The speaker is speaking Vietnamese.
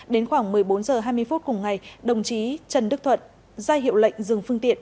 đến khoảng một mươi bốn h hai mươi phút cùng ngày đồng chí trần đức thuận ra hiệu lệnh dừng phương tiện